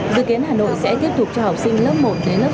dự kiến hà nội sẽ tiếp tục cho học sinh lớp một đến lớp năm